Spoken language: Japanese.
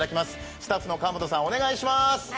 スタッフの川本さん、お願いします